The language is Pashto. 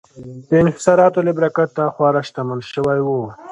د انحصاراتو له برکته خورا شتمن شوي وو.